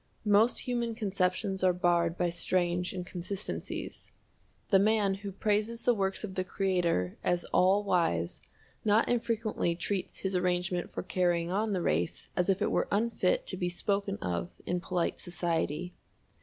Most human conceptions are barred by strange inconsistencies. The man who praises the works of the Creator as all wise not infrequently treats His arrangement for carrying on the race as if it were unfit to be spoken of in polite society.